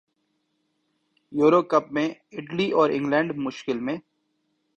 euro Cup میں اٹلی اور انگلینڈ مشکل میں